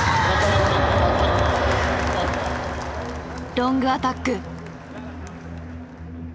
ロングアタック！